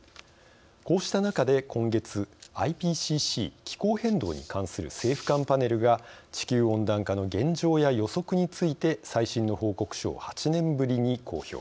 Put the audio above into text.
こうした中で今月ＩＰＣＣ「気候変動に関する政府間パネル」が地球温暖化の現状や予測について最新の報告書を８年ぶりに公表。